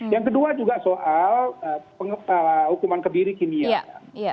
yang kedua juga soal hukuman kebiri kimia ya